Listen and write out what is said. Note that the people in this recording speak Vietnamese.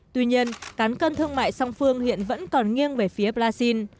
tuy nhiên cán cân thương mại song phương hiện vẫn còn nghiêng về phía brazil